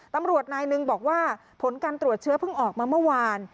ตำรวจนายหนึ่งบอกว่าผลการตรวจเชื้อเพิ่งออกมาเมื่อวาน